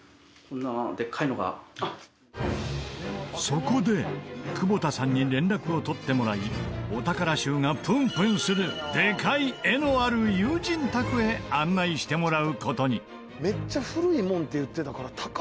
そこで久保田さんに連絡を取ってもらいお宝臭がプンプンするでかい絵のある友人宅へ案内してもらう事に。